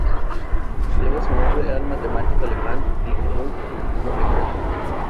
Debe su nombre al matemático alemán Leopold Kronecker.